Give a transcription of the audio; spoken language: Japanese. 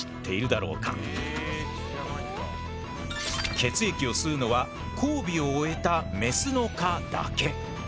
血液を吸うのは交尾を終えたメスの蚊だけ。